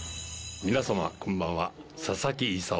皆さまこんばんは。